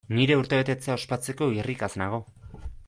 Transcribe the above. Nire urtebetetzea ospatzeko irrikaz nago!